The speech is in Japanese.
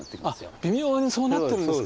微妙にそうなってるんですか。